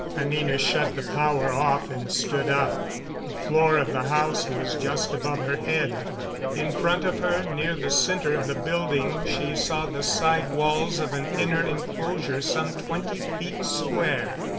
Anina shut the power off and stood up. The floor of the house was just above her head. In front of her, near the center of the building, she saw the side walls of an inner inclosure some twenty feet square.